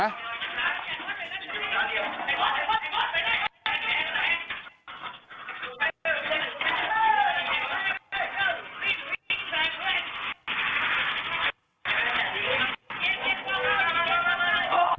เลยได้เลย